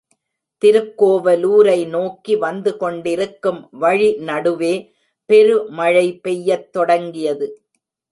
திருக்கோவலூரை நோக்கி வந்துகொண்டிருக்கும் வழி நடுவே பெருமழை பெய்யத் தொடங்கியது.